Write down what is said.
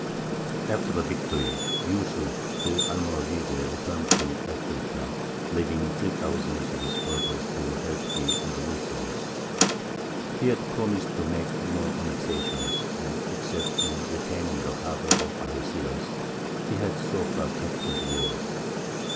After the victory, Yūsuf the Almoravide returned to Africa, leaving three thousand of his Berbers to help the Andalusians. He had promised to make no annexations, and, except in retaining the harbour of Algeciras, he had so far kept his word.